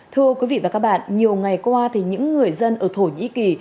thưa quý vị và các bạn nhiều ngày qua thì những người dân ở thổ nhĩ kỳ